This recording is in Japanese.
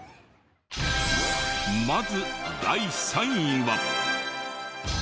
まず第３位は。